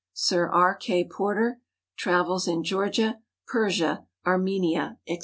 Sir B. K. Porter, Travels in Georgia, Persia, Armenia, Ac.